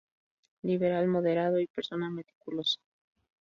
Liberal moderado y persona meticulosa.